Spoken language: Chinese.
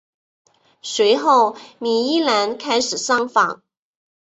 随后倪玉兰开始上访。